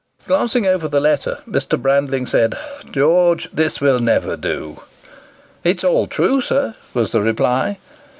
Glancing over the letter, Mr. Brandling said, "George, this will never do." "It is all true, sir," was the reply.